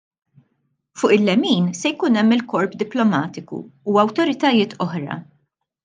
Fuq il-lemin se jkun hemm il-korp diplomatiku u awtoritajiet oħra.